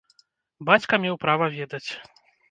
Бацька меў права ведаць.